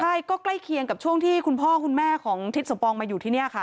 ใช่ก็ใกล้เคียงกับช่วงที่คุณพ่อคุณแม่ของทิศสมปองมาอยู่ที่นี่ค่ะ